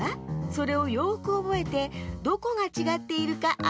それをよくおぼえてどこがちがっているかあててちょうだい。